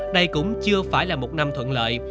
đây cũng chưa phải là một năm thuận lợi